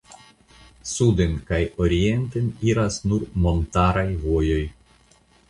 Suden kaj orienten iras nur montaraj vojoj.